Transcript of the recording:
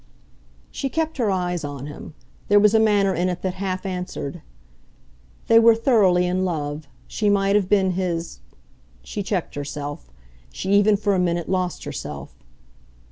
She kept her eyes on him; there was a manner in it that half answered. "They were thoroughly in love. She might have been his " She checked herself; she even for a minute lost herself.